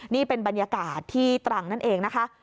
นี่เป็นบรรยากาศที่ตรังนั่นเองนะคะ